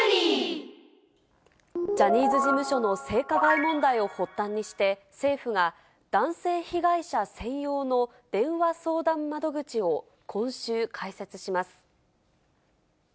ジャニーズ事務所の性加害問題を発端にして、政府が男性被害者専用の電話相談窓口を今週、開設します。